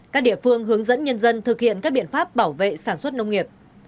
các địa phương hướng dẫn nhân dân thực hiện các biện pháp bảo vệ sản xuất nông nghiệp